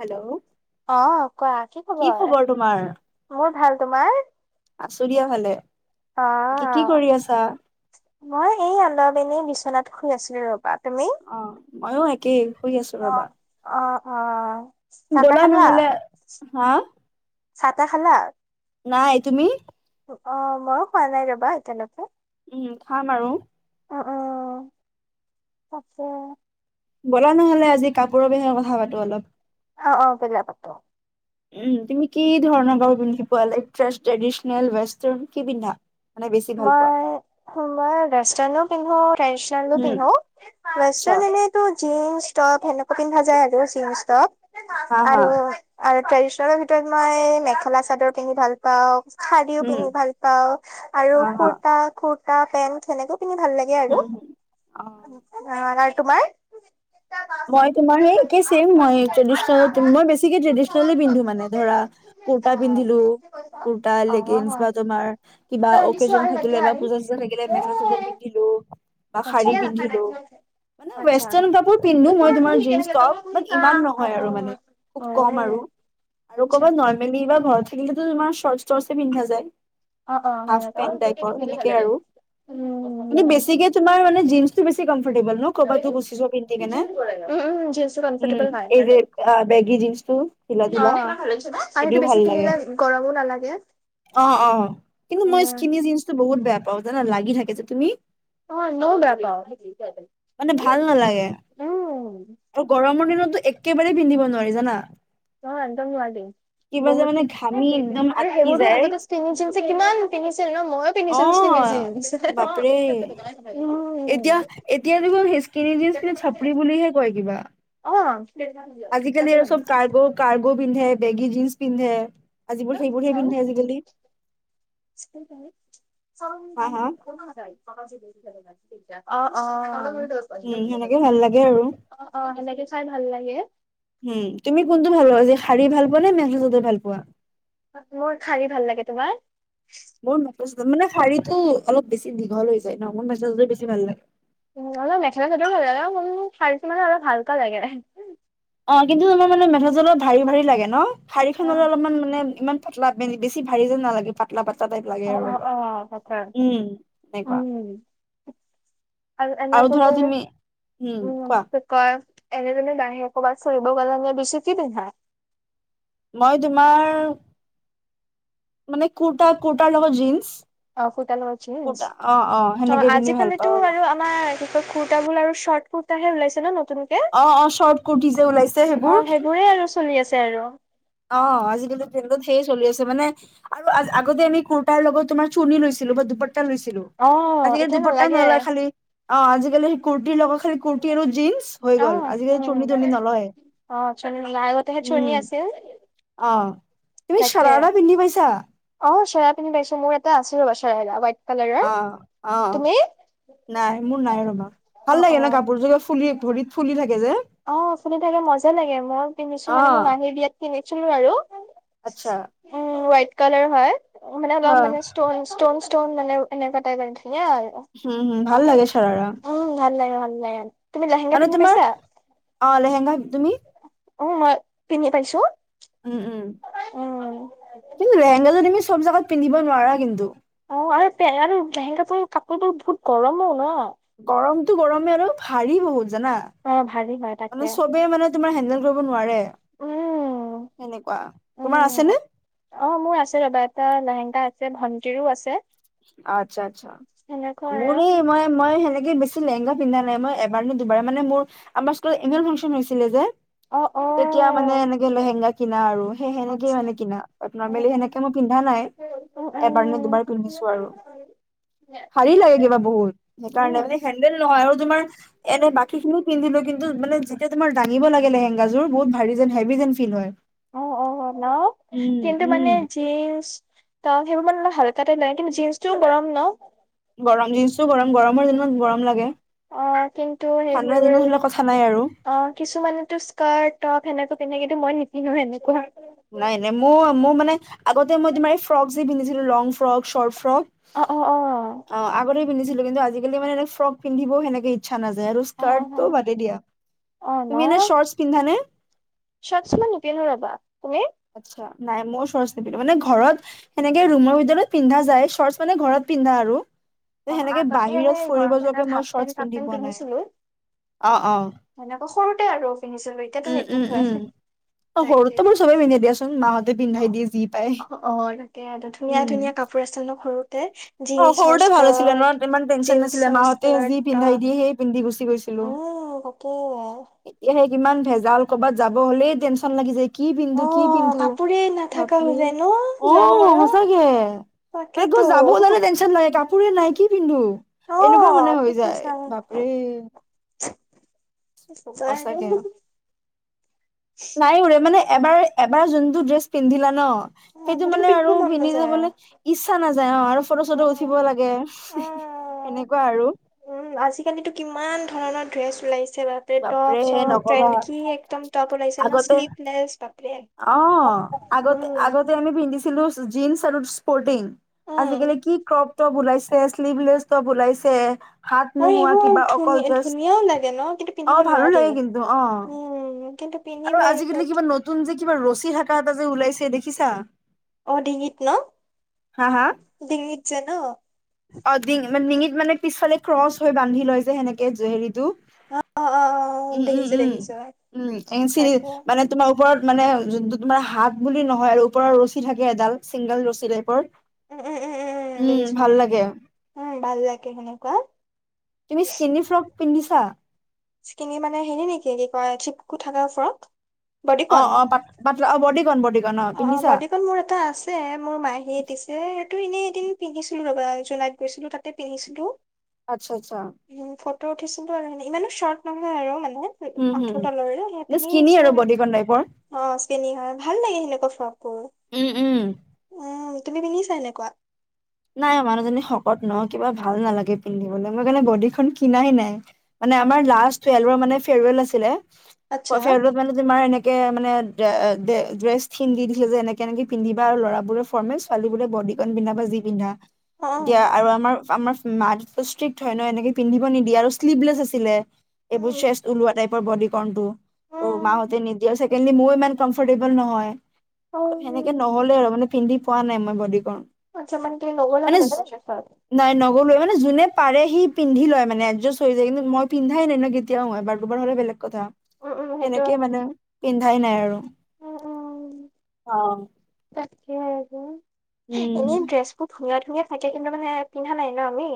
Hello অ' কোৱা কি খবৰ? মোৰ ভাল। তোমাৰ? আছো দিয়া ভালে। কি কি অ', কৰি আছা? মই এই আন্ধাৰত এনেই বিছনাত শুই আছিলো ৰ'বা। তুমি? অ' মইয়ো একেই শুই আছো ৰবা। অ', অ' অ' চাহ তাহ ব'লা খালা নহ'লে হা চাহ তাহ খালা? নাই। তুমি? অ' মইয়ো খোৱা নাই ৰবা এতিয়ালকে। উম খাম আৰু। অ'অ' তাকে। ব'লা নহ'লে আজি কাপোৰৰ বিষয়ে কথা পাতো অলপ। অ' অ' বলা পাতো। উম তুমি কি ধৰণৰ বাৰু পিন্ধি পোৱা? লাইটড্ৰেছ ট্ৰেডিচনেল, ৱেষ্টাৰ্ণ কি পিন্ধা? মানে বেছি ভাল পোৱা? মই সোমবাৰে ৱেষ্টানো পিন্ধো ৰেছ, তানু উম, পিন্ধো, আচ্ছা ৱেষ্টাৰ্ণ এনেই টো জিন্স টপ সেনেকুৱা পিন্ধা যায় আৰু, জীন্চ হা টপ। হা, আৰু আৰু ট্ৰেডিচনেলৰ ভিতৰত মই মেখেলা চাদৰ পিন্ধি ভাল পাওঁ শাৰীও উম, পিন্ধি ভাল পাওঁ আৰু হা হা, কুুৰ্তা কুুৰ্তা পেন্ট সেনেকেও পিন্ধি ভাল লাগে। সেয়ে উম, হুম, অ'। আৰু। আৰু তোমাৰ? মই তোমাৰ সেই একেছেম, মই ট্ৰেডচনেল মই বেছিকে ট্ৰেডিচনেল পিন্ধো। মানে ধৰা কুৰ্তটা পিন্ধিলো, কুুৰ্তা অ লেগিনছ অ' বা তোমাৰ কিবা অকেজন থাকিলে বা পুজা চুজা থাকিলে মেখেলা চাদৰ পিন্ধিলো বা আচ্ছা শাৰী পিন্ধিলো। মানে আচ্ছা ৱেষ্টাৰ্ন কাপোৰ পিন্ধো মই তোমাৰ জীন্চ টপ বাট ইমান নহয় আৰু, মানে অ খুব কম আৰু। আৰু আচ্ছা ক'ৰবাত নৰ্মেলি বা ঘৰত থাকিলেতো তোমাৰ চৰ্তছ টচে পিন্ধা যায়। অ অ ভাল হাফ লাগে অ' পেন্ট দুয়োটা টাইপৰ দেখিলেই ভাল এনেকে লাগে। আৰু, উম কিন্তু উম বেছিকে তোমাৰ মানে জিনচটো বেছি কম্ফৰতেবুল ন' কৰবাত গুচি যাব পাইম, উম' জিনচটো কমফৰ্টেবল এই হয়। যে বেগী জিন্সটো ঢিলা ঢিলা অ' সেইটোও শাৰীটো ভাল বেছি লাগে পিন্ধিলে গৰমো নালাগে। অ অ কিন্তু অ মই স্কিনি জিনচটো বহুত বেয়া পাওঁ। জানা লাগি থাকে যে তুমি? অ' মই এনেও বেয়া পাওঁ। মানে ভাল নালাগে উম, আৰু গৰমৰ দিনতো একেবাৰে পিন্ধিব নোৱাৰি জানা? অ একদম নোৱাৰি। কিবা যে মানে বহুত ঘামি একদম আৰু আটকি সেইবোৰতো যায় আগতে স্কিনি জিনচ্ কিমান পিন্ধিছিল ন'। মই অ পিন্ধিছো পিনি বাপৰে জিনচ্। এতিয়া এতিয়া দেখুন স্কীনিজিনচ্ খিনি চাপৰি বুলিহে কয় কিবা। অ তাতে যাম। কাৰ্গো পিন্ধে বেগী জিন্স পিন্ধে। আজিবোৰ সেইবোৰহে পিন্ধে চাই আজিকালি চ ন হা হা য [unintelligible] অ' অ' উম সেনেকে ভাল লাগে আৰু, অ অ সেনেকে চাই ভাল লাগে। উম তুমি কোনটো ভাল পোৱা যে শাৰী ভাল পোৱা নে মেখেলা চাদৰ ভাল পোৱা। মোৰ শাৰী ভাল লাগে। তোমাৰ? মোৰ মেছোজ মানে শাৰীটো অলপ বেছি দীঘল হৈ যায় ন' মোৰ মেছোজ বেছি ভাল লাগে। উম হলেওঁ মেখেলা চাদৰ ভাল লাগে। কিন্তু শাৰীটো অলপ হলকা লাগে। অ' কিন্তু তোমাৰ মানে মেখেলা চাদৰ ভাৰী ভাৰী লাগে ন' শাৰীখন ললে অ', অলপমান মানে ইমান পাতলা বে বেছি ভাৰি যেন নালাগে পাত- লা পাতলা টাইপ লাগে অ', আৰু অ', অলপ, অ', তাকে। উম তেনেকুৱা। উম, আৰু ধৰা তুমি, উম কোৱা। কয়, এনেই তুমি বাহিৰত ক'ৰবাত ফুৰিব গ'লে এনেই বেছি কি পিন্ধা? মই তোমাৰ মানে কুৰ্তা কুৰ্তা লগত জিঞ্চ। অ কুৰ্তা লগত জিঞ্চ। অ সেনেকে পিন্ধি ভাল আজিকালিতো পাওঁ আৰু তোমাৰ কি কয় কুৰ্তা বোৰ আৰু চৰ্ট কুৰ্তাহে ওলাইছে নতুন। অ' অ' চৰ্ট কুৰ্টি যে ওলাইছে সেইবোৰ। সেইবোৰে আৰু চলি আছে আৰু অ আজিকালি ট্ৰেণ্ডত সেয়ে চলি আছে। মানে আৰু আজ আগতে আমি কুৰ্তাৰ লগত তোমাৰ চুৰ্ণী লৈছিলো বা দুপট্টা লৈছিলো। অ আজিকালি এতিয়া দুপট্টা নালাগে নলয় খালি অ' আজিকালি সেই কুৰ্তিৰ লগত খালি কুৰ্টি আৰু জিঞ্চ হৈ অ গল। আজিকালি চুৰ্ণী উম তুৰ্ণী নলয়। অ চুৰ্ণী নাই আগতেহে চুৰ্ণী উম' আছিল অ', তুমি তাকে চাৰাৰা পিন্ধি পাইছা? অ' চেৰা পিন্ধি পাইছো মোৰ এটা আছে ৰবা। চেৰাৰা হোৱাইট কালাৰৰ অ' অ'। তুমি নাই মোৰ নাই ৰবা। অ ভাল অ লাগে ন কাপোৰযোৰ ফুলি ভৰিত ফুলি থাকে যে। অ ফুলি থাকে মজা লাগে। মই পিন্ধিছো অ মানে মোৰ মাহীৰ বিয়াত কিনিছিলো আৰু। আচ্ছা উঁ হোৱাইট কালাৰ হয়। মানে অ অলপ মানে ষ্টন ষ্ট'ন ষ্টন'মানে এনেকুৱা টাইপ আৰু ধুনীয়া হম হম ভাল লাগে চাৰাৰা আৰু। উম ভাল লাগে ভাল লাগে। তুমি মানে লাহেংগা পিন্ধি তোমাৰ পাইছা? অ' লেহেংগা। তুমি? অ' মই পিন্ধি পাইছো। উম উম! উম কিন্তু লেহেংগা যোৰ তুমি চব জাগাত পিন্ধিব নোৱাৰা কিন্তু। অ' আৰু বেয়াও লেহেংগাৰ কাপোৰবোৰ বহুত গৰমো ন'। গৰমটো গৰমেই আৰু ভাৰী বহুত জানা। অ ভাৰী হয় তাকে মানে চবে মানে তোমাৰ হেডেল কৰিব নোৱাৰে। উম সেনেকুৱা তোমাৰ আছে উম নে? অ', মোৰ আছে ৰবা এটা লেহেংগা আছে ভণ্টিৰো আছে। অ আচ্ছা আচ্ছা, সেনেকুৱা মোৰ আৰু এই মই মই সেনেকে বেছি লেহেংগা পিন্ধা নাই মই এবাৰ নে দুবাৰ মানে মোৰ আমাৰ স্কুলত এনুবেল ফাংচন হৈছিলে যে অ', অ',। তেতিয়া মানে এনেকে লেহেংগা কিনা আৰু সেই সেনেকে আচ্ছা মানে কিনা, উম নৰ্মেলি উম সেনেকে মই পিন্ধা নাই উম এবাৰ নে দুবাৰ পিন্ধিছো আৰু। ভাৰি লাগে কিবা বহুত, সেইকাৰণে উম মানে হেণ্ডেল নহয় আৰু তোমাৰ উম এনে বা- কী খিনি পিন্ধিলে কিন্তু মানে যেতিয়া তোমাৰ দাঙিব লাগে লেহেংগাযোৰ বহুত ভাৰি যেন হেভি যেন ফিল হয়। অ', অ', ন, উম কিন্তু মানে উম জিঞ্চ ত সেইবোৰ মানে অলপ হালকা টাইপ লাগে কিন্তু জিঞ্চটোও গৰম ন গৰম জিঞ্চটোও গৰম গৰম। গৰমৰ দিনত গৰম লাগে অ', কিন্তু ঠাণ্ডাৰ সেইবোৰ দিনত হ'লে কথা নাই আৰু অ' কিছুমানেতো স্কাৰ্ট টপ সেনেকা পিন্ধে। কিন্তু মই নিপিন্ধো হেনেকুৱা। নাই নাই। মই মোৰ মানে আগতে মই তোমাৰ এই ফ্ৰক যে পিন্ধিছিলো লং ফ্ৰক চৰ্ট ফ্ৰক। অ' অ' অ' অ', আগতে পিন্ধছিলো কিন্তু আজিকালি মানে ফ্ৰক পিন্ধিবও সেনেকে ইচ্ছা নাযায় আৰু অ', স্কাৰ্টটো অ', বাদে দিয়া অ তুমি এনে চৰ্তছ পিন্ধা নে চৰ্তছ মই নিপিন্ধো ৰবা তুমি আচ্ছা নাই মোৰ চৰ্তছ নিপিন্ধো মানে ঘৰত সেনেকে ৰুমৰ ভিতৰত পিন্ধা যায় চৰ্তছ মানে ঘৰত পিন্ধা আৰু অ', সেনেকে আগতে বাহিৰত সেই ফুৰিব গৰম দিনত যোৱাকে মই হাফ পেন্ট শৰ্টছ চাফ পিন্ধি পেন্ট পোৱা নাই অ', অ', সেনেকা সৰুতে আৰু পিন্ধিছিলো এতিয়াতো উম উম উম নিপিন্ধোয়ে অ তাকে সৰুতে বাৰু চবে পিন্ধে দিয়াচোন মাহঁতে পিন্ধাই অ', দিয়ে যি পায় অ', অ', তাকে আৰু ধুনীয়া উম ধুনীয়া কাপোৰ প্ৰাচেনক সৰুতে অ', জীন্সৰ সৰুতে ভাল আছিলে স্কাৰ্ট ন ইমান টেনচন জিন্স নাছিলে চাৰ্ট মাহতে যি পিন্ধাই টপ দিয়ে সেই পিন্ধি গুচি গৈছি উম অকে এতিয়া হে কিমান ভেজাল ক'বাত যাব হলেই টেনশচন লাগি যায় কি পিন্ধো অ কি পিন্ধো কাপোৰে নাথাকা হৈ বাপৰে যায় ন অ যোৱাৰ সময়ত সঁচাকে মানে ক তাকেতো যাব ওলালে কাপোৰে নাই কি পিন্ধো অ এনেকুৱা মানে হৈ ঠিক কৈছা যায় উম বাপৰে তই সঁচাকে আৰু নাই উৰে মানে এবাৰ এবাৰ যোনটো ড্ৰেছ পিন্ধিলে ন সেইটো মানে আৰু পিন্ধিব মন পিন্ধি নাযায় যাবলৈ ইচ্ছা নাযায় অ', আৰু ফটো চটো উম উঠিব লাগে সেনেকুৱা আৰু উম আজিকালিতো কিমান ধৰণৰ ড্ৰেছ ওলাইছে বা বাপৰে টপ চপ নকবা ট্ৰেড কি একদম টপ ওলাইছে ন আগতে শ্লিপলেছ বাপ অ', আগতে আগতে আমি পিন্ধিছিলো জীন্চ আৰু স্পৰ্টিং আৰু আজিকালি কি ক্ৰপ টপ ওলাইছে শ্লিভলেছ টপ ওলাইছে হাত নোহোৱা এইবোৰ কিবা অকল ধুনীয়া জাষ্ট ধুনীয়াও লাগে ন কিন্তু অ পিন্ধিব ভালো নোৱাৰি লাগে কিন্তু অ উম কিন্তু পিন্ধিব আৰু আজিকালি কিবা নতুন যে কিবা ৰছী থাকা এটা যে ওলাইছে দেখিছা অ', ডিঙিত ন হা হা ডিঙিত যে ন অ', ডিঙ ডিঙিত মানে পিছফালে ক্ৰচ হৈ বান্ধি লয় যে সেনেকে জ হেৰিটো অ অ অ উম উম দেখিছো উম দেখিছো উম এন চি ৰি তাকে বা মানে তোমাৰ ওপৰত মানে যোনটো তোমাৰ হাত বুলি নহয় আৰু ওপৰ ৰছী থাকে এডাল চিংগল ৰছী টাইপৰ উম উম উম উম উম দেখিছো ভাল লাগে। উম ভাল লাগে সেনেকুৱা তুমি স্কিনী ফ্ৰক পিন্ধিছা? স্কিনি মানে হেৰি নেকি কি কয় চিপকু থাকে ফ্ৰক বডিকন অ', অ', প পাত পাতলা', অ বদীকন বদীকন অ বডিকন মোৰ এটা আছে মোৰ মাহীয়ে দিছে এইটো এনে এদিন পিন্ধিছিলো ৰবা জোনাইত গৈছিলো তাতে পিন্ধিছিলো। আচ্ছা আচ্ছা উম ফটো উঠিছলো আৰু ইমানো শৰ্ট নহয় আৰু মানে হুম হুম আঠুৰ তলৰে সেই নে পিন্ধি স্কিনি আৰু আহিছো বডিকন টাইপৰ? অ চিনি হয় ভাল লাগে সেনে উম উম উম তুমি পিন্ধিছা এনেকুৱা নাই মানুহজনী শকত ন কিবা ভাল নালাগে পিন্ধিবলে মই মানে বডিখন খিনাই নাই। মানে আমাৰ লাষ্ট টুৱেলভৰ মানে ফেৱাৰ ৱেল আছিলে আচ্ছা ফেৱাৰ ৱেল মানে তোমাৰ এনেকে মানে ড্ৰেছ খিন্ধি দিছিলে যে এনেকে এনেকে পিন্ধিবা আৰু ল'ৰাবোৰে ফৰমেল ছোৱালীবোৰে বডিকন পিন্ধা বা যি পিন্ধা অ এতিয়া আৰু আমাৰ আমাৰ মা ষ্ট্ৰিক্ট হয় ন এনেকে পিন্ধিব নিদিয়ে আৰু শ্লিভলেছ আছিলে অ এইবোৰ উম চেচ ওলোৱা টাইপৰ বডি কৰ্ণটো ত' মোৰ উম, মাহতে নিদিয়ে। ছেকেণ্ডলি মোৰ ইমান কমফৰটেবল নহয় সেনেকে উম, নহ'লে আৰু পিন্ধি পোৱা নাই মই বডিকৰ্ণ আচ্ছা মানে কি তুমি নগলা মানে [unintelligible] নাই নগলো মানে যোনে পাৰে সি পিন্ধি লয় মানে এজষ্ট হৈ যায় কিন্তু মই পিন্ধাই ন কেতিয়াও এতিও ময় বাৰ দুবাৰ হ'লে বেলেগ কথা। উম, উম, সেইটো সেনেকেই হয়। মানে পিন্ধাই নাই আৰু উম, উম। অ'। তাকে এনে উম ড্ৰেছ খুব ধুনীয়া, ধুনীয়া থাকে কিন্তু মানে পিন্ধা নাই ন আমি।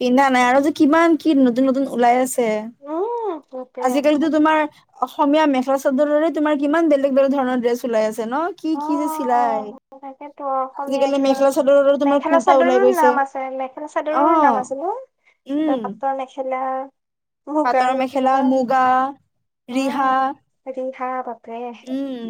পিন্ধা নাই আৰু যে কিমান কি নতুন, নতুন ওলাই আছে উম, বাপৰে আজিকালিতো তোমাৰ অসমীয়া মেখেলা চাদৰৰে তোমাৰ কিমান বেলেগ, বেলেগ ধৰণৰ ড্ৰেছ ওলাই আছে ন কি, কি যে চিলাই। থাকে ত অসমীয়া আজিকালি কা মেখেলা চাদৰৰো তোমাৰ মেখেলা কুৰ্তা চাদৰৰ ওলাই গৈছে নাম আছে মেখেলা অ চাদৰৰ নাম আছে ন। কিবা উম পাতৰ মেখেলা পাটৰ মেখেলা মুগা ৰিহা উম। [unintelligible] উম,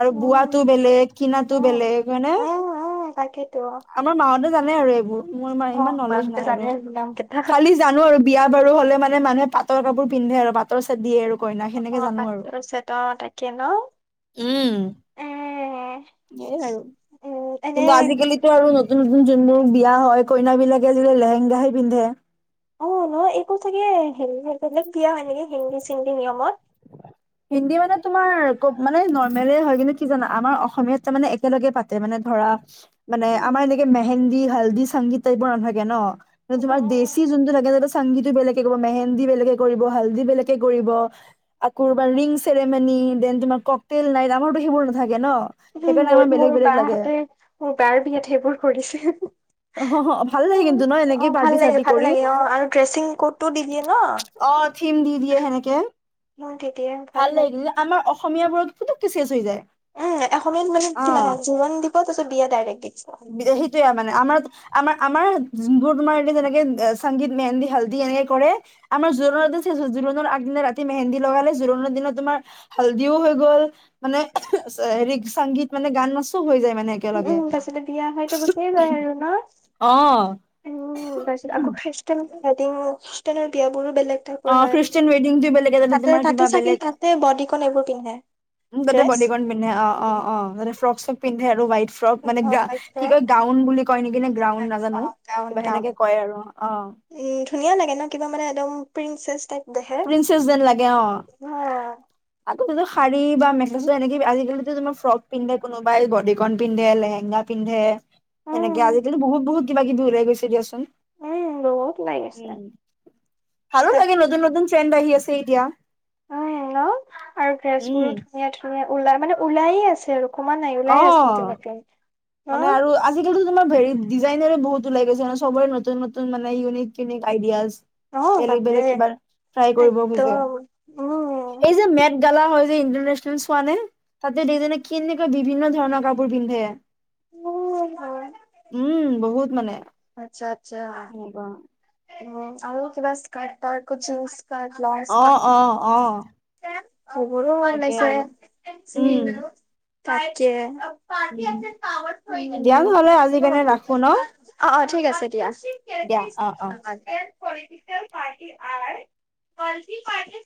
আৰু বোৱাতো উম, বেলেগ কিনাতো উম। বেলেগ হয়নে। উম, উম, তাকেইতো অ'। আমাৰ মা হতে জানে আৰু এইবোৰ মোৰ মানে ইমান নলেজ মাহঁতে নাই জানে আৰু নাম কেইটা। খালি জানোঁ আৰু। বিয়া বাৰু হ'লে মানে মানুহে পাতৰ কাপোৰ পিন্ধে আৰু পাতৰ চেত দিয়ে আৰু। কইনা সেনেকে অ', জানো আৰু পাতৰ চেত অ', তাকে ন। উম এ নে আৰু। উম এনে কিন্তু আজিকালিতো আৰু নতুন, নতুন যোনবোৰ বিয়া হয় কইনা বিলাকে আজিকালি লেহেংগাহে পিন্ধে। অ', নহয় এইবোৰ চাগে হিন্দী বিয়া হয় নেকি হিন্দী চিন্দী নিয়মত হিন্দী মানে তোমাৰ ক মানে নৰ্মলে হয় কিন্তু কি জানা আমাৰ অসমীয়াত মানে একেলগে পাতে। মানে ধৰা মানে আমাৰ এনেকে মেহেন্দী, হালদি, চংগিত টাইপৰ নাথাকে ন তোমাৰ দেশি উম যোনটো থাকে তাতে চংগীতগিটো বেলেগে কৰিব মেহেন্দী বেলেগে কৰিব হাল্দি বেলেগে কৰিব। ক'ৰবাৰ ৰিং চেৰেমনি দেন তোমাৰ ককটেল নাইট আমাৰতো সেইবোৰ নাথাকে ন। সেইকাৰণে মোৰ, আমাৰ বেলেগ মোৰ বেলেগ বা লাগে হতে মোৰ বাৰ বিয়াত সেইবোৰ কৰিছে। অ ভাল লাগে কিন্তু ন এনেকে অ', ভাল পাৰ্টি লাগে চাৰ্টি ভাল কৰি লাগে অ আৰু ড্ৰেচিং ক'ডটো দি দিয়ে ন। অ', থিম দি দিয়ে সেনেকে। অ', দি দিয়ে। ভাল লাগিলে আমাৰ অসমীয় বোৰৰ পুতুককে চেচ হৈ যায়। উম এ অসমীয়াত অ মানে জোৰন দিব তাৰপিত বিয়া ডাইৰেক্টকে। বিদেশী সেইটোৱে মানে আমাৰ আমাৰ, আমাৰ গ তোমাৰ এ যোনবোৰ সংগীত মেহেন্দী হালদি এনেকে কৰে আমাৰ জোৰোণৰ দিনা চেচ হল, জোৰোণৰ আগদিনা ৰাতি মেহেন্দি লগালে জোৰোণৰ দিনা তোমাৰ হালদিও হৈ গল মানে হেৰি চংগীত মানে গান নাচ চব হৈ যায় মানে একেলগে তেতিয়া হয়তো গুচিয়েই যায় আৰু ন অ উম তাৰপিছত আকৌ খাইছোঁ। ৱেডিংষ্ট বিয়াবোৰো বেলেগ টাইপৰ অ হয় খ্ৰীষ্টান ৱেডিংটো বেলেগ তাতে তোমাৰ তাতে কিবা চাগে তাতে চাগে গোটেই বডিকৰ্ণ এইবোৰ পিন্ধে। উম গোট ড্ৰেছ। বডিকন পিন্ধে অ', অ', অ', তাতে ফ্ৰক চক পিন্ধে আৰু হোৱাইট ফ্ৰক মানে কি কয় গ্ৰাউণ্ড বুলি কয় নেকি নে গ্ৰাউন নাজানোঁ। গাউন কিবা গাউন সেনেকে কয় আৰু অ'। উম ধুনীয়া লাগে ন কিবা মানে একদম প্ৰিনছেছ টাইপ। দেখে। প্ৰিন্চেছ যেন লাগে অ। উম, আগতেটো শাৰী বা মেখেলা চাদৰ এনেকে আজিকালি তো যেনবা ফ্ৰক পিন্ধে কোনোবাই বডিকন পিন্ধে লেহেংগা। পিন্ধে এনেকে আজিকালি বহুত বহুত কিবা কিবি ওলাই গৈছে দিয়াচোন। উম, বহুত লাগিছে উম ভালো তাক লাগে নতুন নতুন ট্ৰণ্ড আহি আছে এতিয়া। উম, ন আৰু উম তেজপুৰত ধুনীয়া ধুনীয়া ওলাই মানে ওলাইয়ে আছে আৰু। কমা নাই অ উওলাই আছে বাটে বাটে। মানে আৰু। আজিকালিটো তোমাৰ হেৰি ডিজাইনাৰে বহুত ওলাই গৈছে ন চবৰে নতুন নতুন মানে ইউনিক ইউনিক আইডিয়াজ। অ', বেলেগ বাপৰে বেলেগ কিবা ট্ৰাই কৰিব একদম খুজে, উম, এই যে মেত। গালা হয় যে ইণ্টাৰনে্চনেল চোৱানে তাতে দুইজনে কেনেকুৱা বিভিন্ন ধৰণৰ কাপোৰ পিন্ধে। উম, হয়। উম আচ্ছা। উম। উম আৰু কিবা ইস্কাট অ ব্লাছ। অ অ খবৰো মন তাকে লাইছে আৰু উম চ। তাকে উম দিয়া উম। নহ'লে আজিৰ কাৰণে ৰাখো ন অ অ ঠিক আছে দিয়া। দিয়া অ অ এ পলিটিকেল পাৰ্টি আৰ কি পাৰি।